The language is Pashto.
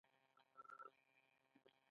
آیا د کاناډا په لویدیځ کې ښارونه جوړ نشول؟